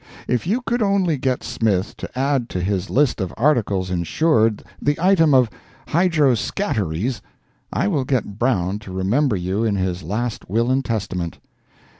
If you could only get Smith to add to his list of articles insured the item of "hydro scatteries," I will get Brown to remember you in his last will and testament.